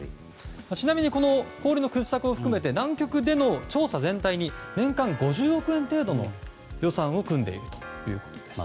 ちなみに氷の掘削を含めて南極での調査全体に年間５０億円程度の予算を組んでいるということです。